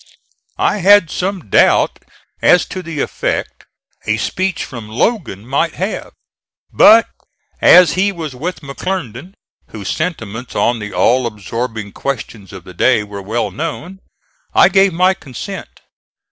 I had some doubt as to the effect a speech from Logan might have; but as he was with McClernand, whose sentiments on the all absorbing questions of the day were well known, I gave my consent.